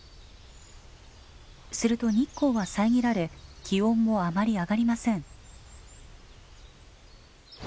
すると日光は遮られ気温もあまり上がりません。